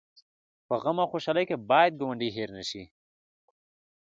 په غم او خوشحالۍ کې باید ګاونډی هېر نه شي